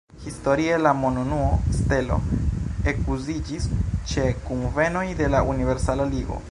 Historie, la monunuo stelo ekuziĝis ĉe kunvenoj de la Universala Ligo.